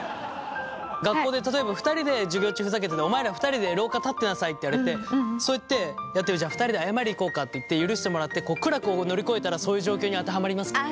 学校で例えば２人で授業中ふざけててお前ら２人で廊下立ってなさいって言われてそうやってやってじゃあ２人で謝りに行こうかっていって許してもらって苦楽を乗り越えたらそういう状況に当てはまりますか？